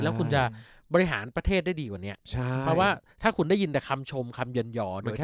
แล้วคุณจะบริหารประเทศได้ดีกว่านี้ใช่เพราะว่าถ้าคุณได้ยินแต่คำชมคำยันหอ